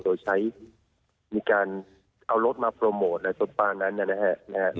โดยใช้มีการเอารถมาโปรโมทในสุดบ้านั้นนะครับ